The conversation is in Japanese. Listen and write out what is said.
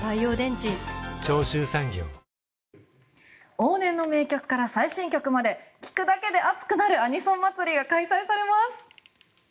往年の名曲から最新曲まで聴くだけで熱くなるアニソン祭りが開催されます。